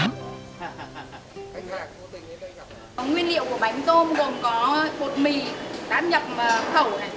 nguyên liệu của bánh tôm